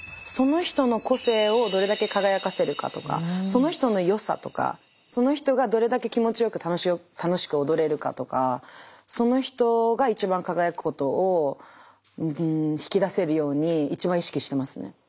その人の個性をどれだけ輝かせるかとかその人の良さとかその人がどれだけ気持ちよく楽しく踊れるかとかその人が一番輝くことを引き出せるように一番意識してますね。